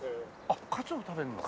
あっカツを食べるの？